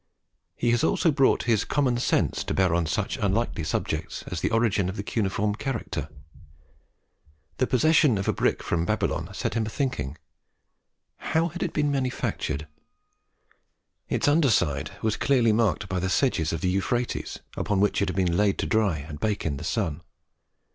He has also brought his common sense to bear on such unlikely subject's as the origin of the cuneiform character. The possession of a brick from Babylon set him a thinking. How had it been manufactured? Its under side was clearly marked by the sedges of the Euphrates upon which it had been laid to dry and bake in the sun.